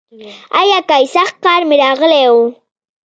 ای اکا ای سخت قار مې راغلی و.